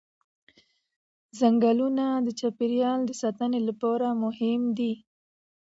ځنګلونه د چاپېریال د ساتنې لپاره مهم دي